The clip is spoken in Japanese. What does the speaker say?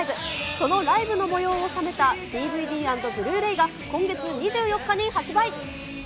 そのライブのもようを収めたＤＶＤ＆ブルーレイが今月２４日に発売。